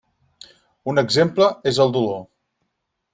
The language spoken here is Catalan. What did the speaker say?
Un exemple és el dolor.